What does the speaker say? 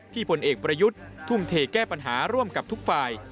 ผลเอกประยุทธ์ทุ่มเทแก้ปัญหาร่วมกับทุกฝ่าย